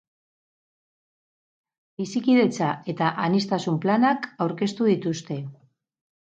Bizikidetza eta aniztasuna planak aurkeztu dituzte.